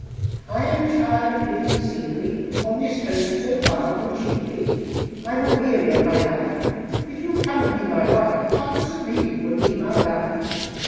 "I am tired of living singly On this coast so wild and shingly, I'm a weary of my life; If you'll come and be my wife, Quite serene would be my life!"